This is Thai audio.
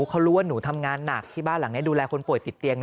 เขารู้ว่าหนูทำงานหนักที่บ้านหลังนี้ดูแลคนป่วยติดเตียงนะ